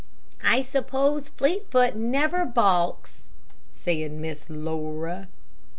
"I suppose Fleetfoot never balks," said Miss Laura.